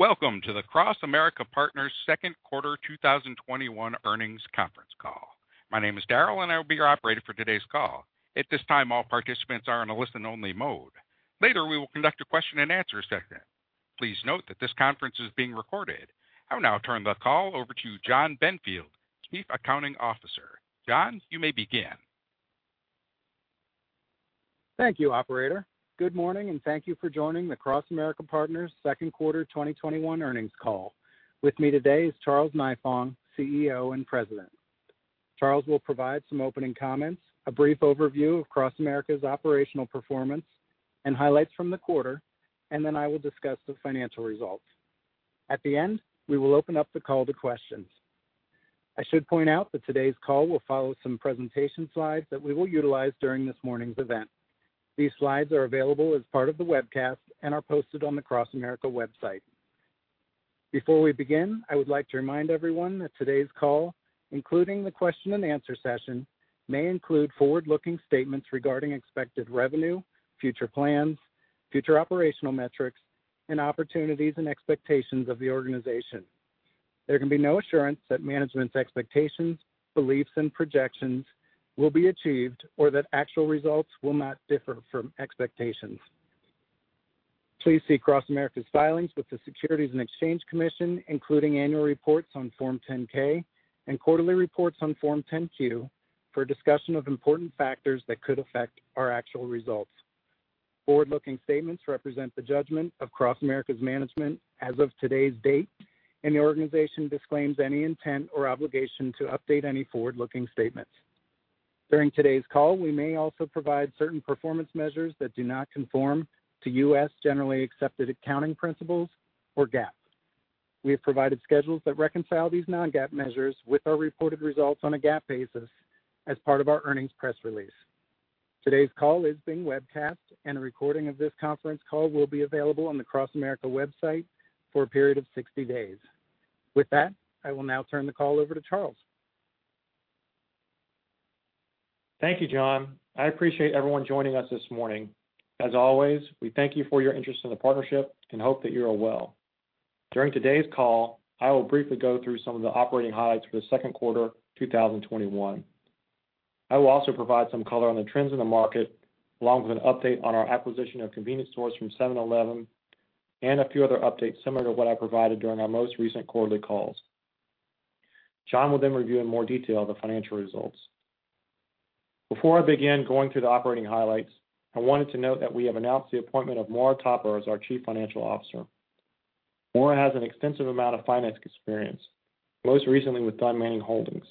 Welcome to the CrossAmerica Partners second quarter 2021 earnings conference call. My name is Daryl and I will be your operator for today's call. At this time, all participants are in a listen-only mode. Later, we will conduct a question-and-answer session. Please note that this conference is being recorded. I will now turn the call over to Jonathan Benfield, Chief Accounting Officer. Jon, you may begin. Thank you, operator. Good morning, and thank you for joining the CrossAmerica Partners second quarter 2021 earnings call. With me today is Charles Nifong, CEO and President. Charles will provide some opening comments, a brief overview of CrossAmerica's operational performance, and highlights from the quarter, and then I will discuss the financial results. At the end, we will open up the call to questions. I should point out that today's call will follow some presentation slides that we will utilize during this morning's event. These slides are available as part of the webcast and are posted on the CrossAmerica website. Before we begin, I would like to remind everyone that today's call, including the question-and-answer session, may include forward-looking statements regarding expected revenue, future plans, future operational metrics, and opportunities and expectations of the organization. There can be no assurance that management's expectations, beliefs, and projections will be achieved or that actual results will not differ from expectations. Please see CrossAmerica's filings with the Securities and Exchange Commission, including annual reports on Form 10-K and quarterly reports on Form 10-Q, for a discussion of important factors that could affect our actual results. Forward-looking statements represent the judgment of CrossAmerica's management as of today's date, and the organization disclaims any intent or obligation to update any forward-looking statements. During today's call, we may also provide certain performance measures that do not conform to U.S. generally accepted accounting principles, or GAAP. We have provided schedules that reconcile these non-GAAP measures with our reported results on a GAAP basis as part of our earnings press release. Today's call is being webcast, and a recording of this conference call will be available on the CrossAmerica website for a period of 60 days. With that, I will now turn the call over to Charles. Thank you, Jon. I appreciate everyone joining us this morning. As always, we thank you for your interest in the partnership and hope that you are well. During today's call, I will briefly go through some of the operating highlights for the second quarter 2021. I will also provide some color on the trends in the market, along with an update on our acquisition of convenience stores from 7-Eleven, and a few other updates similar to what I provided during our most recent quarterly calls. Jon will review in more detail the financial results. Before I begin going through the operating highlights, I wanted to note that we have announced the appointment of Maura Topper as our Chief Financial Officer. Maura has an extensive amount of finance experience, most recently with Dunne Manning Holdings.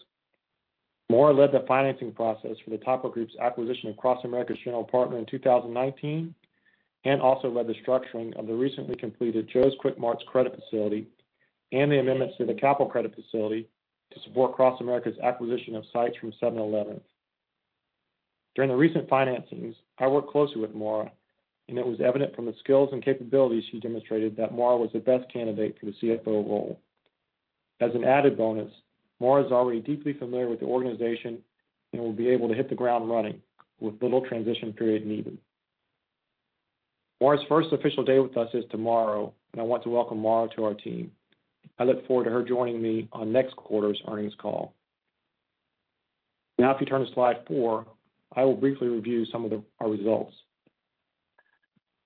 Maura led the financing process for the Topper Group's acquisition of CrossAmerica's general partner in 2019 and also led the structuring of the recently completed Joe's Kwik Marts credit facility and the amendments to the CAPL Credit Agreement to support CrossAmerica's acquisition of sites from 7-Eleven. During the recent financings, I worked closely with Maura, and it was evident from the skills and capabilities she demonstrated that Maura was the best candidate for the CFO role. As an added bonus, Maura is already deeply familiar with the organization and will be able to hit the ground running with little transition period needed. Maura's first official day with us is tomorrow, and I want to welcome Maura to our team. I look forward to her joining me on next quarter's earnings call. Now, if you turn to slide four, I will briefly review some of our results.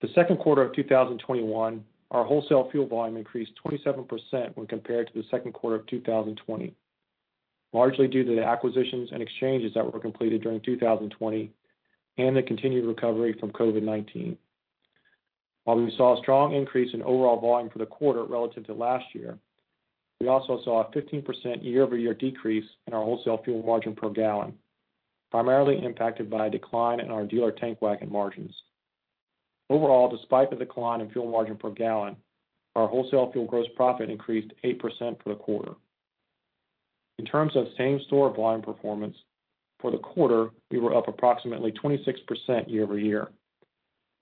The second quarter of 2021, our wholesale fuel volume increased 27% when compared to the second quarter of 2020, largely due to the acquisitions and exchanges that were completed during 2020 and the continued recovery from COVID-19. While we saw a strong increase in overall volume for the quarter relative to last year, we also saw a 15% year-over-year decrease in our wholesale fuel margin per gallon, primarily impacted by a decline in our dealer tank wagon margins. Overall, despite the decline in fuel margin per gallon, our wholesale fuel gross profit increased 8% for the quarter. In terms of same-store volume performance, for the quarter, we were up approximately 26% year-over-year.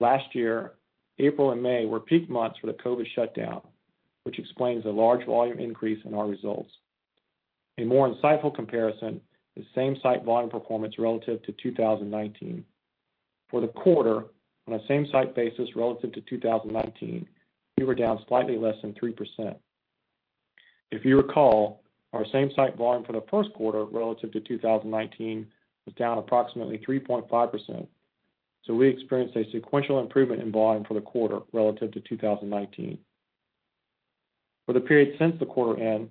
Last year, April and May were peak months for the COVID shutdown, which explains the large volume increase in our results. A more insightful comparison is same-site volume performance relative to 2019. For the quarter, on a same-site basis relative to 2019, we were down slightly less than 3%. If you recall, our same-site volume for the first quarter relative to 2019 was down approximately 3.5%, so we experienced a sequential improvement in volume for the quarter relative to 2019. For the period since the quarter end,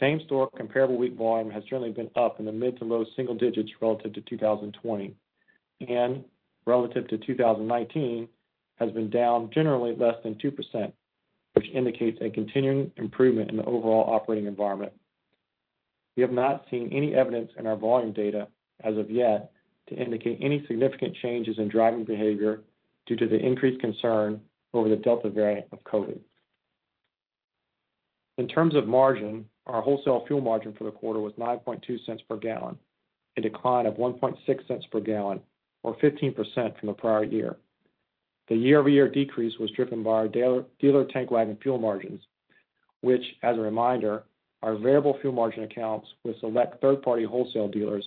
same-store comparable week volume has generally been up in the mid to low single digits relative to 2020, and relative to 2019, has been down generally less than 2%, which indicates a continuing improvement in the overall operating environment. We have not seen any evidence in our volume data as of yet to indicate any significant changes in driving behavior due to the increased concern over the Delta variant of COVID. In terms of margin, our wholesale fuel margin for the quarter was $0.092 per gallon, a decline of $0.016 per gallon, or 15% from the prior year. The year-over-year decrease was driven by our dealer tank wagon fuel margins, which, as a reminder, are variable fuel margin accounts with select third-party wholesale dealers,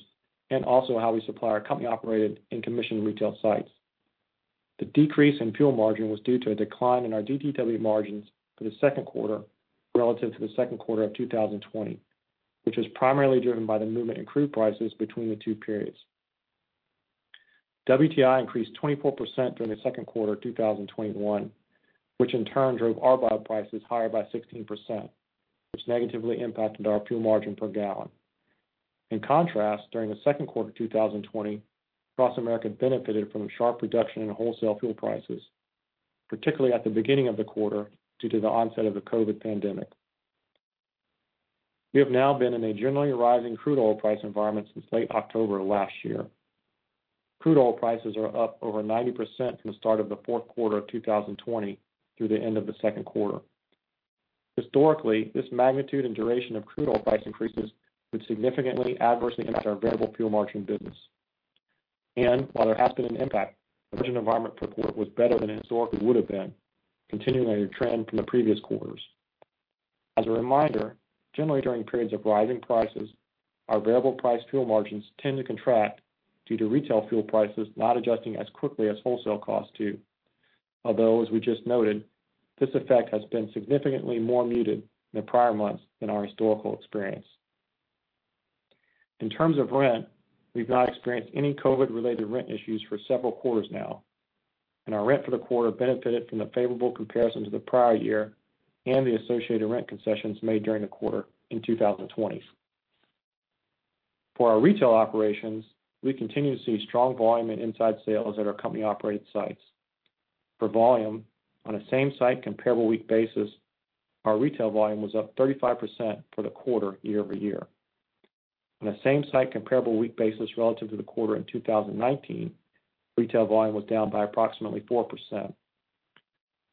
and also how we supply our company-operated and commissioned retail sites. The decrease in fuel margin was due to a decline in our DTW margins for the second quarter relative to the second quarter of 2020, which was primarily driven by the movement in crude prices between the two periods. WTI increased 24% during the second quarter of 2021, which in turn drove our buy prices higher by 16%, which negatively impacted our fuel margin per gallon. In contrast, during the second quarter of 2020, CrossAmerica benefited from a sharp reduction in wholesale fuel prices, particularly at the beginning of the quarter, due to the onset of the COVID pandemic. We have now been in a generally rising crude oil price environment since late October of last year. Crude oil prices are up over 90% from the start of the fourth quarter of 2020 through the end of the second quarter. Historically, this magnitude and duration of crude oil price increases would significantly adversely impact our variable fuel margin business. While there has been an impact, the margin environment per quarter was better than it historically would've been, continuing a trend from the previous quarters. As a reminder, generally during periods of rising prices, our variable price fuel margins tend to contract due to retail fuel prices not adjusting as quickly as wholesale costs too. As we just noted, this effect has been significantly more muted in the prior months than our historical experience. In terms of rent, we've not experienced any COVID-related rent issues for several quarters now, and our rent for the quarter benefited from the favorable comparison to the prior year and the associated rent concessions made during the quarter in 2020. For our retail operations, we continue to see strong volume in inside sales at our company-operated sites. For volume, on a same site comparable week basis, our retail volume was up 35% for the quarter year-over-year. On a same site comparable week basis relative to the quarter in 2019, retail volume was down by approximately 4%.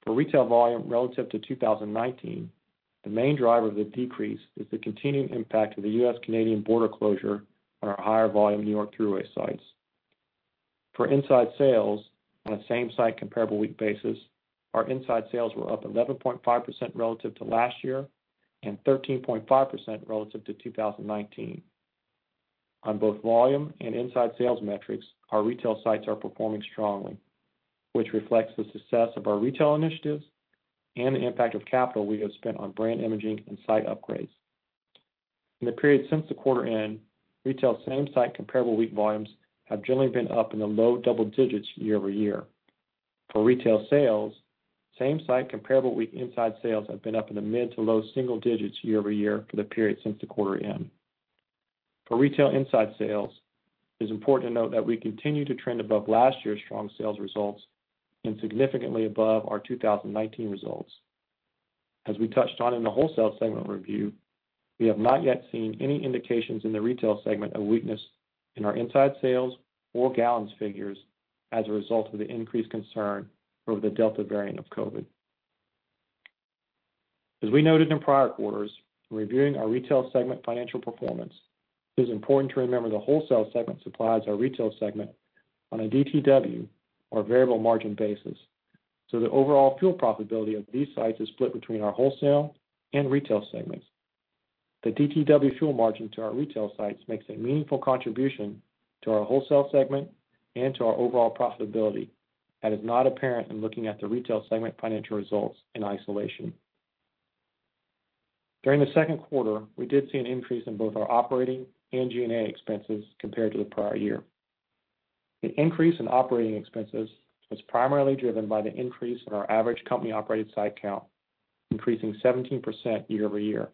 For retail volume relative to 2019, the main driver of the decrease is the continuing impact of the U.S.-Canadian border closure on our higher volume New York Thruway sites. For inside sales on a same site comparable week basis, our inside sales were up 11.5% relative to last year and 13.5% relative to 2019. On both volume and inside sales metrics, our retail sites are performing strongly, which reflects the success of our retail initiatives and the impact of capital we have spent on brand imaging and site upgrades. In the period since the quarter end, retail same site comparable week volumes have generally been up in the low double digits year-over-year. For retail sales, same site comparable week inside sales have been up in the mid to low single digits year-over-year for the period since the quarter end. For retail inside sales, it is important to note that we continue to trend above last year's strong sales results and significantly above our 2019 results. As we touched on in the wholesale segment review, we have not yet seen any indications in the retail segment of weakness in our inside sales or gallons figures as a result of the increased concern over the Delta variant of COVID-19. As we noted in prior quarters, when reviewing our retail segment financial performance, it is important to remember the wholesale segment supplies our retail segment on a DTW or variable margin basis, so the overall fuel profitability of these sites is split between our wholesale and retail segments. The DTW fuel margin to our retail sites makes a meaningful contribution to our wholesale segment and to our overall profitability that is not apparent in looking at the retail segment financial results in isolation. During the second quarter, we did see an increase in both our operating and G&A expenses compared to the prior year. The increase in operating expenses was primarily driven by the increase in our average company-operated site count, increasing 17% year-over-year.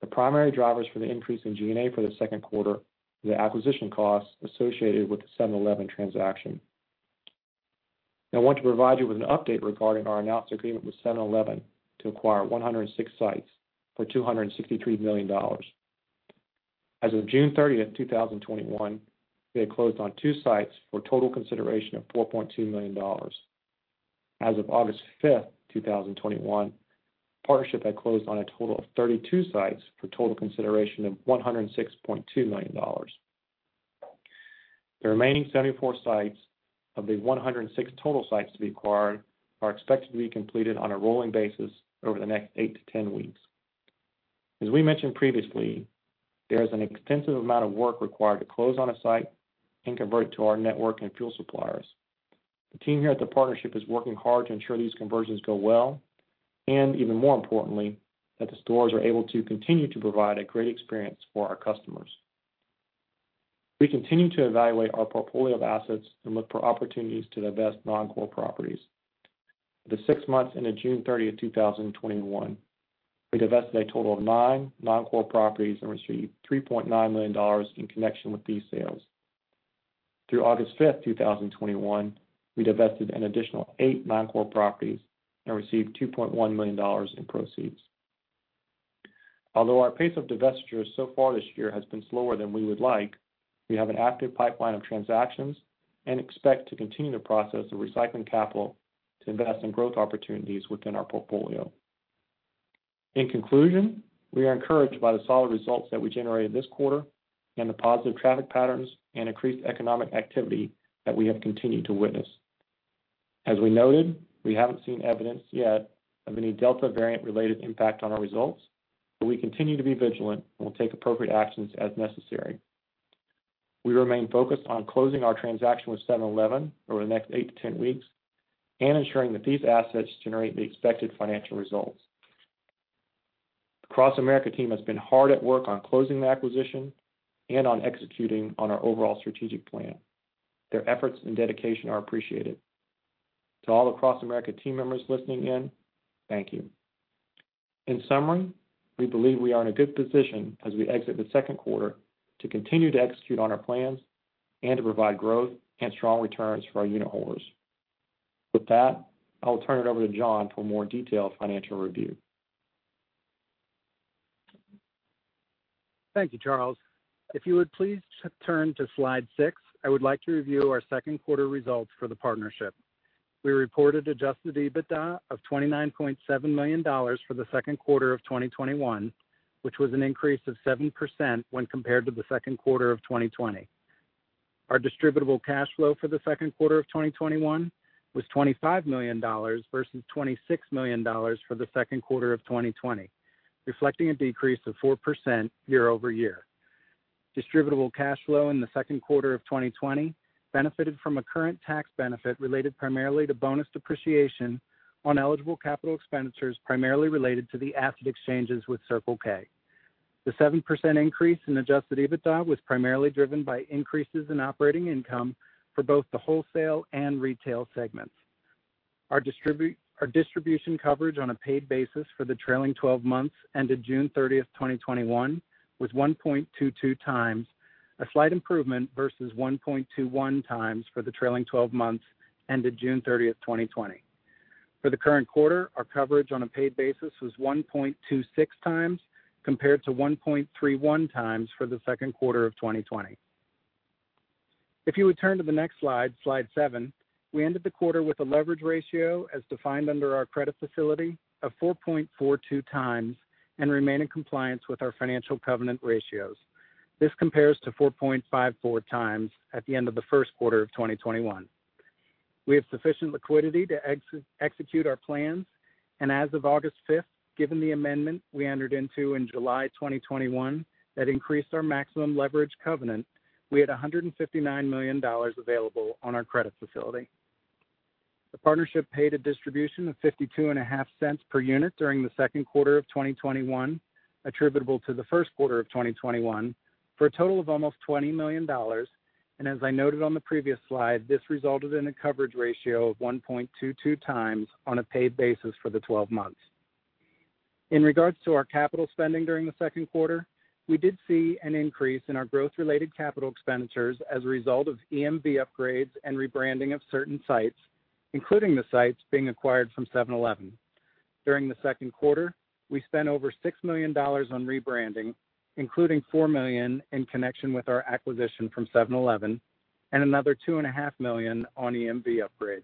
The primary drivers for the increase in G&A for the second quarter were the acquisition costs associated with the 7-Eleven transaction. I want to provide you with an update regarding our announced agreement with 7-Eleven to acquire 106 sites for $263 million. As of June 30th, 2021, they had closed on two sites for total consideration of $4.2 million. As of August 5th, 2021, the partnership had closed on a total of 32 sites for total consideration of $106.2 million. The remaining 74 sites of the 106 total sites to be acquired are expected to be completed on a rolling basis over the next eight -10 weeks. As we mentioned previously, there is an extensive amount of work required to close on a site and convert it to our network and fuel suppliers. The team here at the partnership is working hard to ensure these conversions go well, and even more importantly, that the stores are able to continue to provide a great experience for our customers. We continue to evaluate our portfolio of assets and look for opportunities to divest non-core properties. For the 6 months ended June 30th, 2021, we divested a total of nine non-core properties and received $3.9 million in connection with these sales. Through August 5th, 2021, we divested an additional eight non-core properties and received $2.1 million in proceeds. Although our pace of divestitures so far this year has been slower than we would like, we have an active pipeline of transactions and expect to continue the process of recycling capital to invest in growth opportunities within our portfolio. In conclusion, we are encouraged by the solid results that we generated this quarter and the positive traffic patterns and increased economic activity that we have continued to witness. As we noted, we haven't seen evidence yet of any Delta variant-related impact on our results, but we continue to be vigilant and will take appropriate actions as necessary. We remain focused on closing our transaction with 7-Eleven over the next eight to 10 weeks and ensuring that these assets generate the expected financial results. The CrossAmerica team has been hard at work on closing the acquisition and on executing on our overall strategic plan. Their efforts and dedication are appreciated. To all the CrossAmerica team members listening in, thank you. In summary, we believe we are in a good position as we exit the second quarter to continue to execute on our plans and to provide growth and strong returns for our unitholders. With that, I will turn it over to Jon for a more detailed financial review. Thank you, Charles. If you would please turn to slide six, I would like to review our second quarter results for the partnership. We reported Adjusted EBITDA of $29.7 million for the second quarter of 2021, which was an increase of 7% when compared to the second quarter of 2020. Our distributable cash flow for the second quarter of 2021 was $25 million versus $26 million for the second quarter of 2020, reflecting a decrease of 4% year-over-year. Distributable cash flow in the second quarter of 2020 benefited from a current tax benefit related primarily to bonus depreciation on eligible capital expenditures, primarily related to the asset exchanges with Circle K. The 7% increase in Adjusted EBITDA was primarily driven by increases in operating income for both the wholesale and retail segments. Our distribution coverage on a paid basis for the trailing 12 months ended June 30th, 2021, was 1.22x, a slight improvement versus 1.21x for the trailing 12 months ended June 30th, 2020. For the current quarter, our coverage on a paid basis was 1.26x, compared to 1.31x for the second quarter of 2020. If you would turn to the next slide seven, we ended the quarter with a leverage ratio as defined under our credit facility of 4.42x and remain in compliance with our financial covenant ratios. This compares to 4.54x at the end of the first quarter of 2021. As of August 5th, given the amendment we entered into in July 2021 that increased our maximum leverage covenant, we had $159 million available on our credit facility. The partnership paid a distribution of $0.525 per unit during the second quarter of 2021, attributable to the first quarter of 2021, for a total of almost $20 million. As I noted on the previous slide, this resulted in a coverage ratio of 1.22 times on a paid basis for the 12 months. In regards to our capital spending during the second quarter, we did see an increase in our growth-related capital expenditures as a result of EMV upgrades and rebranding of certain sites, including the sites being acquired from 7-Eleven. During the second quarter, we spent over $6 million on rebranding, including $4 million in connection with our acquisition from 7-Eleven and another $2.5 million on EMV upgrades.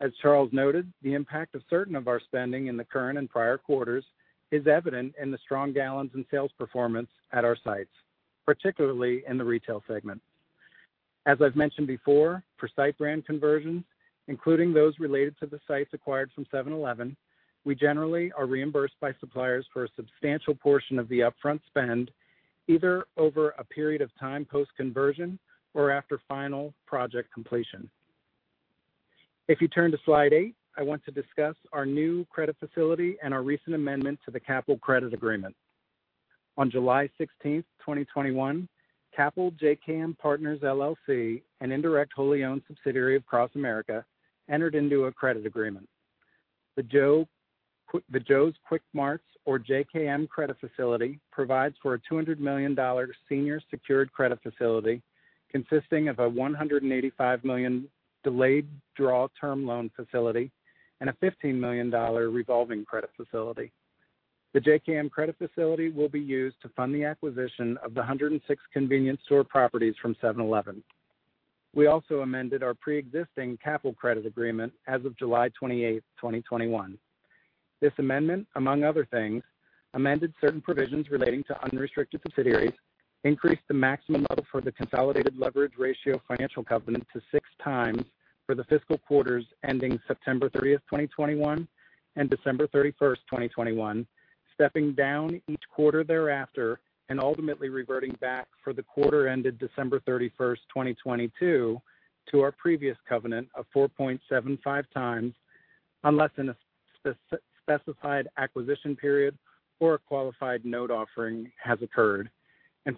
As Charles noted, the impact of certain of our spending in the current and prior quarters is evident in the strong gallons and sales performance at our sites, particularly in the retail segment. As I've mentioned before, for site brand conversions, including those related to the sites acquired from 7-Eleven, we generally are reimbursed by suppliers for a substantial portion of the upfront spend, either over a period of time post-conversion or after final project completion. If you turn to slide eight, I want to discuss our new credit facility and our recent amendment to the CAPL Credit Agreement. On July 16th, 2021, CAPL JKM Partners LLC, an indirect wholly owned subsidiary of CrossAmerica, entered into a credit agreement. The Joe's Kwik Marts, or JKM, credit facility provides for a $200 million senior secured credit facility consisting of a $185 million delayed draw term loan facility and a $15 million revolving credit facility. The JKM credit facility will be used to fund the acquisition of the 106 convenience store properties from 7-Eleven. We also amended our preexisting CAPL Credit Agreement as of July 28th, 2021. This amendment, among other things, amended certain provisions relating to unrestricted subsidiaries, increased the maximum level for the consolidated leverage ratio financial covenant to 6x for the fiscal quarters ending September 30th, 2021 and December 31st, 2021, stepping down each quarter thereafter and ultimately reverting back for the quarter ended December 31st, 2022 to our previous covenant of 4.75x, unless in a specified acquisition period or a qualified note offering has occurred.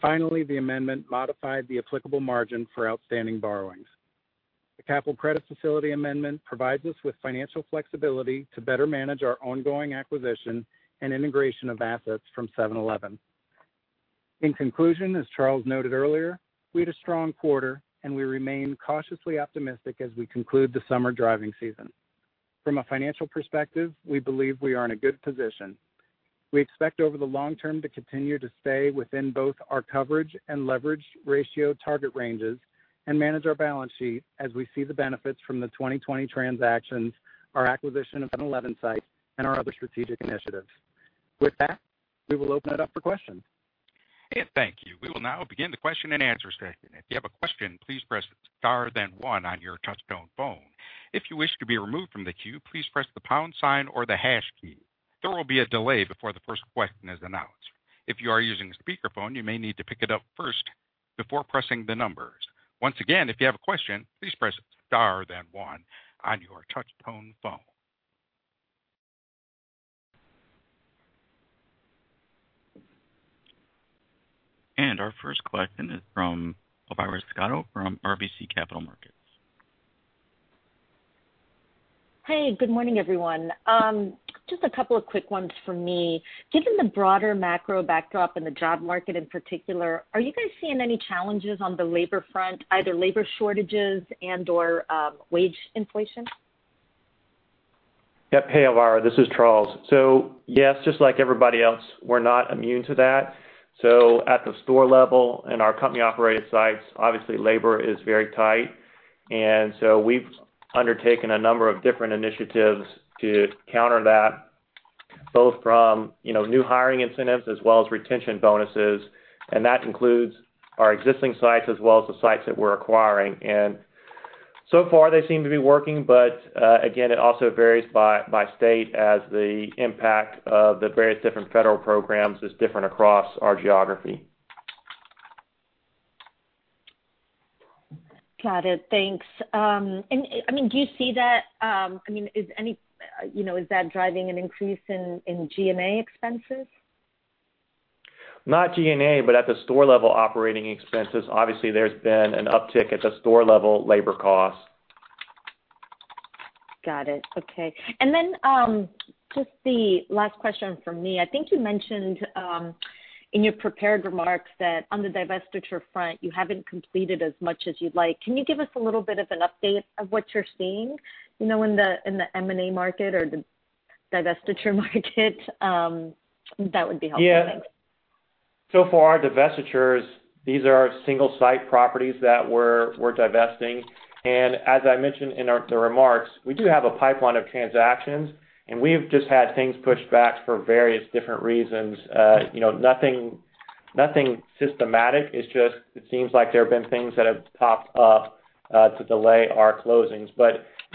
Finally, the amendment modified the applicable margin for outstanding borrowings. The CAPL Credit Facility amendment provides us with financial flexibility to better manage our ongoing acquisition and integration of assets from 7-Eleven. In conclusion, as Charles noted earlier, we had a strong quarter, and we remain cautiously optimistic as we conclude the summer driving season. From a financial perspective, we believe we are in a good position. We expect over the long term to continue to stay within both our coverage and leverage ratio target ranges and manage our balance sheet as we see the benefits from the 2020 transactions, our acquisition of 7-Eleven sites, and our other strategic initiatives. With that, we will open it up for questions Thank you. We will now begin the question-and-answer session. If you have a question, please press star then one on your touchtone phone. If you wish to be removed from the queue, please press the pound sign or the hash key. There will be a delay before the first question is announced. If you are using a speakerphone, you may need to pick it up first before pressing the numbers. Once again, if you have a question, please press star then one on your touchtone phone. Our first question is from Elvira Scotto from RBC Capital Markets. Hey, good morning, everyone. Just a couple of quick ones from me. Given the broader macro backdrop in the job market in particular, are you guys seeing any challenges on the labor front, either labor shortages and/or wage inflation? Hey, Elvira. This is Charles. Yes, just like everybody else, we're not immune to that. At the store level and our company-operated sites, obviously, labor is very tight. We've undertaken a number of different initiatives to counter that, both from new hiring incentives as well as retention bonuses, and that includes our existing sites as well as the sites that we're acquiring. So far, they seem to be working. Again, it also varies by state as the impact of the various different federal programs is different across our geography. Got it. Thanks. Do you see that driving an increase in G&A expenses? Not G&A, but at the store level, operating expenses, obviously, there's been an uptick at the store-level labor cost. Got it. Okay. Just the last question from me. I think you mentioned in your prepared remarks that on the divestiture front, you haven't completed as much as you'd like. Can you give us a little bit of an update of what you're seeing in the M&A market or the divestiture market? That would be helpful, thanks. Far, divestitures, these are single-site properties that we're divesting. As I mentioned in the remarks, we do have a pipeline of transactions, and we've just had things pushed back for various different reasons. Nothing systematic. It seems like there have been things that have popped up to delay our closings.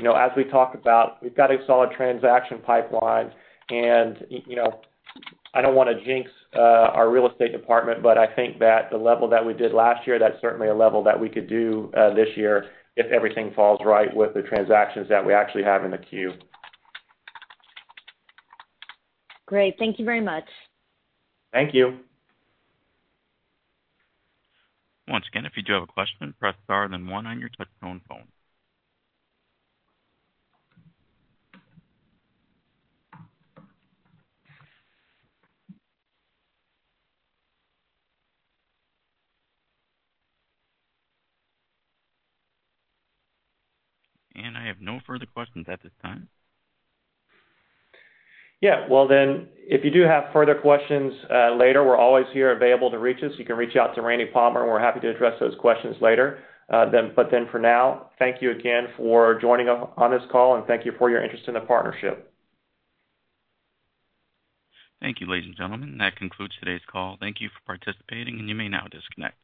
As we talk about, we've got a solid transaction pipeline and I don't want to jinx our real estate department, but I think that the level that we did last year, that's certainly a level that we could do this year if everything falls right with the transactions that we actually have in the queue. Great. Thank you very much. Thank you. Once again, if you do have a question, press star then one on your touchtone phone. I have no further questions at this time. Yeah. Well, if you do have further questions later, we're always here available to reach us. You can reach out to Randy Palmer, and we're happy to address those questions later. For now, thank you again for joining us on this call, and thank you for your interest in the partnership. Thank you, ladies and gentlemen. That concludes today's call. Thank you for participating, and you may now disconnect.